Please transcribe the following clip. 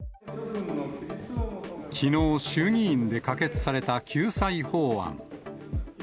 きのう、衆議院で可決された救済法案。